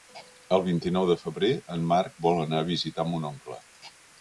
El vint-i-nou de febrer en Marc vol anar a visitar mon oncle.